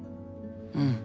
うん。